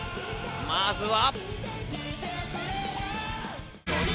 まずは。